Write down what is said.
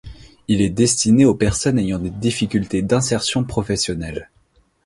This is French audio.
Il est destiné aux personnes ayant des difficultés d’insertion professionnelle.